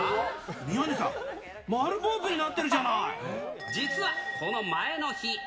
宮根さん、丸坊主になってる実はこの前の日。